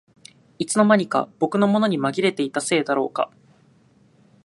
いつの間にか僕のものにまぎれていたせいだろうか